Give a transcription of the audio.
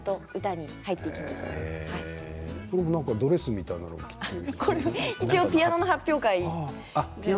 なんかドレスみたいな服を着ている。